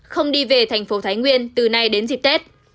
không đi về thành phố thái nguyên từ nay đến dịp tết